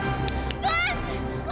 aduh sakit nih tangan aku